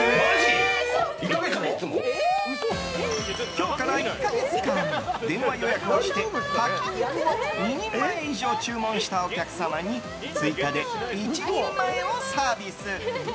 今日から１か月間電話予約をして炊き肉を２人前以上注文したお客様に追加で１人前をサービス。